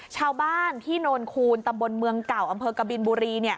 ชาวบ้านที่โนนคูณตำบลเมืองเก่าอำเภอกบินบุรี